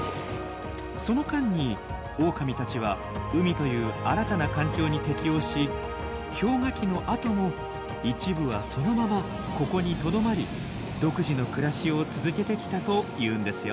その間にオオカミたちは海という新たな環境に適応し氷河期のあとも一部はそのままここにとどまり独自の暮らしを続けてきたというんですよ。